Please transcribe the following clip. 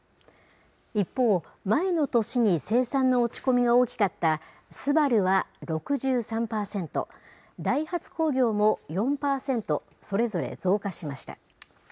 一方、前の年に生産の落ち込みが大きかったＳＵＢＡＲＵは６３％、ダイハツ工業も４％、それぞれ増加しました。